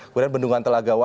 kemudian bendungan telagawa